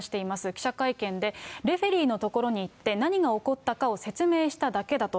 記者会見で、レフェリーの所に行って、何が起こったかを説明しただけだと。